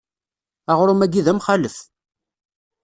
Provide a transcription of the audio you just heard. Aɣrum-agi d amxalef.